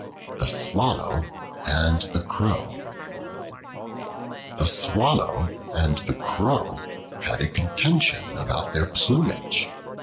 The Swallow and the Crow THE SWALLOW and the Crow had a contention about their plumage.